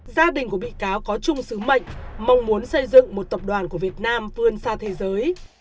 gia đình của bị cáo có chung sứ mệnh mong muốn xây dựng một tập đoàn của việt nam vươn xa thế giới